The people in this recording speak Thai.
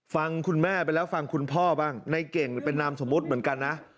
ฟังคุณแม่ไปแล้วฟังคุณพ่อบ้างในเก่งเป็นนามสมมุติเหมือนกันนะ